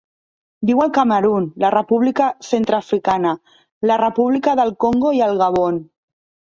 Viu al Camerun, la República Centreafricana, la República del Congo i el Gabon.